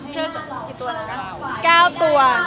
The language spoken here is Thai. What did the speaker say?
เครื่องสำอางกี่ตัวนะคะ๙ตัว